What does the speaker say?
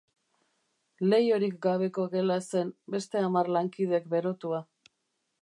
Leihorik gabeko gela zen, beste hamar lankidek berotua.